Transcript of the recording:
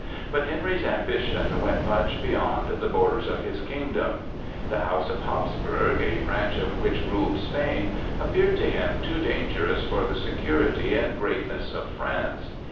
But Henry's ambition went much beyond the borders of his kingdom. The house of Hapsburg, a branch of which ruled Spain, appeared to him too dangerous for the security and greatness of France.